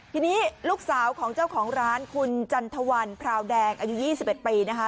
ทีนี้ลูกสาวของเจ้าของร้านคุณจันทวันพราวแดงอายุ๒๑ปีนะคะ